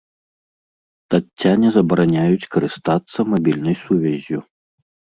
Таццяне забараняюць карыстацца мабільнай сувяззю.